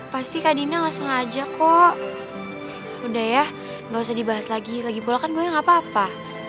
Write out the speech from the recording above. pasti kak dinda langsung aja kok udah ya nggak usah dibahas lagi lagi pola kan gue nggak papa